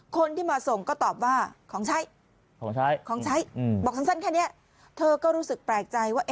คนที่มาส่งก็ตอบว่า